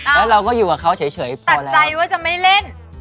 แล้วเราก็อยู่กับเขาเฉยตัดใจว่าจะไม่เล่น